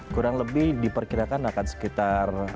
kurang lebih diperkirakan akan sekitar